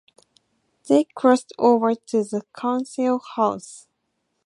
They crossed over to the Council House.